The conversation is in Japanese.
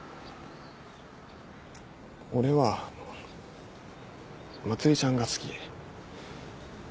俺は茉莉ちゃんが好き。